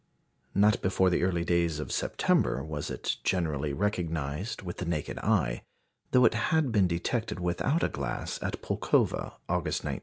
Not before the early days of September was it generally recognised with the naked eye, though it had been detected without a glass at Pulkowa, August 19.